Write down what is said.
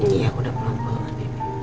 iya udah pelan pelan